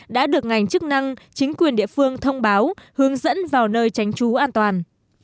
đã được ngành chức năng chính quyền địa phương thông báo hướng dẫn vào nơi tránh trú an toàn